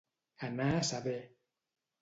Anar a saber.